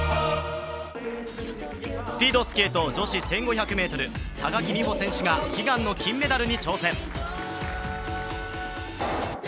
スピードスケート女子１５００ｍ高木美帆選手が悲願の金メダルに挑戦。